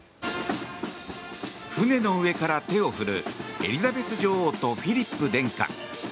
船の上から手を振るエリザベス女王とフィリップ殿下。